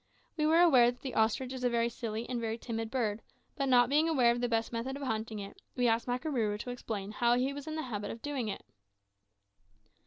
We were aware that the ostrich is a very silly and very timid bird, but not being aware of the best method of hunting it, we asked Makarooroo to explain how he was in the habit of doing it.